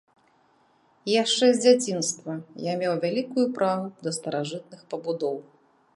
Яшчэ з дзяцінства я меў вялікую прагу да старажытных пабудоў.